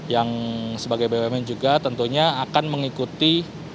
yang sebagai bumn juga tentunya akan mengikuti